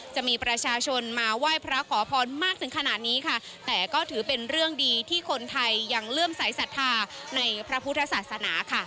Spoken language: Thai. จะมีประชาชนมาไหว้พระขอพรมากถึงขนาดนี้ค่ะแต่ก็ถือเป็นเรื่องดีที่คนไทยยังเลื่อมสายศรัทธาในพระพุทธศาสนาค่ะ